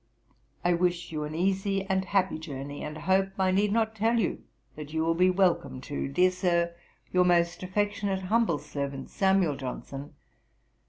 'I wish you an easy and happy journey, and hope I need not tell you that you will be welcome to, dear Sir, 'Your most affectionate, humble servant, 'SAM. JOHNSON.'